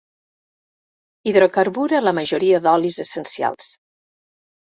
Hidrocarbur a la majoria d'olis essencials.